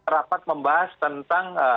rapat membahas tentang